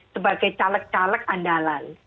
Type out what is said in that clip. sebagai caleg caleg andalan